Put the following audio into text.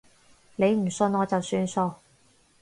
你唔信我就算數